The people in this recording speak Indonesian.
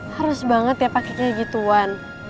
harus banget ya pake kayak gituan